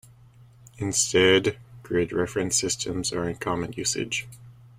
Instead grid reference systems are in common usage.